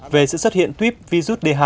về sự xuất hiện tuyết virus d hai